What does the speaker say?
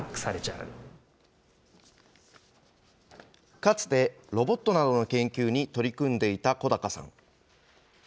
かつてロボットなどの研究に取り組んでいた小鷹さん。